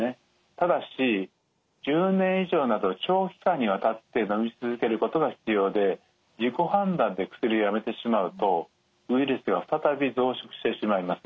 ただし１０年以上など長期間にわたってのみ続けることが必要で自己判断で薬をやめてしまうとウイルスが再び増殖してしまいます。